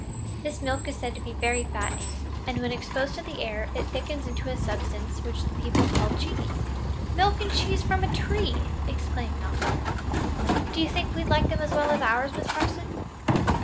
This milk is said to be very fattening; and when exposed to the air, it thickens into a substance which the people call cheese." "Milk and cheese from a tree!" exclaimed Malcolm. "Do you think we'd like them as well as ours, Miss Harson?"